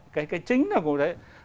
cái chính là của đấy